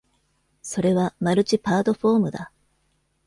それはマルチパートフォームだ。